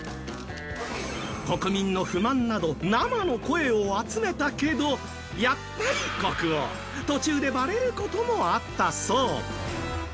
国民の不満など生の声を集めたけどやっぱり国王、途中でばれることもあったそう。